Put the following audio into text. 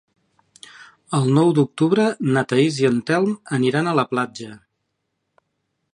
El nou d'octubre na Thaís i en Telm aniran a la platja.